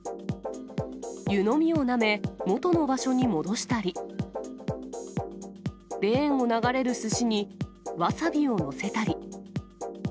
湯飲みをなめ、元の場所に戻したり、レーンを流れるすしにわさびを載せたり。